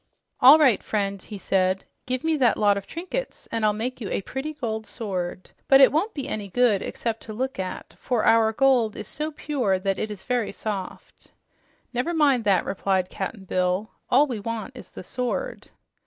"All right, friend," he said. "Give me that lot of trinkets and I'll make you a pretty gold sword. But it won't be any good except to look at, for our gold is so pure that it is very soft." "Never mind that," replied Cap'n Bill. "All we want is the sword."